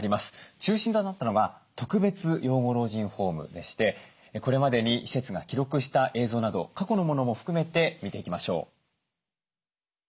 中心となったのは特別養護老人ホームでしてこれまでに施設が記録した映像など過去のものも含めて見ていきましょう。